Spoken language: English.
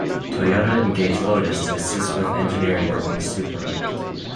Toyota engaged Lotus to assist with engineering work on the Supra.